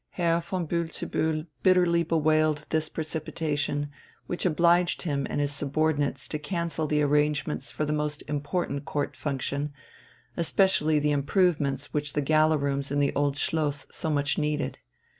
Herr von Bühl zu Bühl bitterly bewailed this precipitation, which obliged him and his subordinates to cancel the arrangements for the most important Court function, especially the improvements which the Gala Rooms in the Old Schloss so much needed.